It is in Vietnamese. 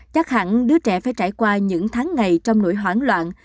chắc hẳn đứa trẻ phải trải qua những tháng ngày trong nỗi hoảng loạn